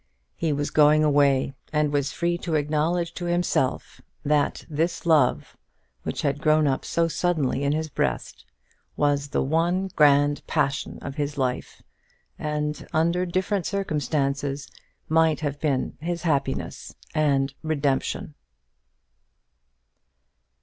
He was going away, and was free to acknowledge to himself that this love which had grown up so suddenly in his breast was the one grand passion of his life, and, under different circumstances, might have been his happiness and redemption.